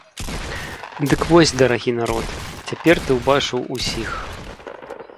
Дык вось, дарагі народ, цяпер ты ўбачыў усіх.